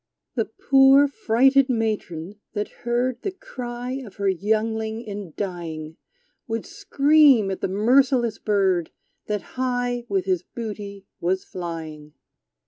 The poor frighted matron, that heard The cry of her youngling in dying, Would scream at the merciless bird, That high with his booty was flying.